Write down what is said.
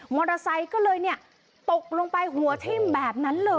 อเตอร์ไซค์ก็เลยตกลงไปหัวทิ่มแบบนั้นเลย